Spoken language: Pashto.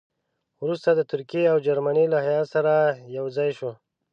وروسته د ترکیې او جرمني له هیات سره یو ځای شو.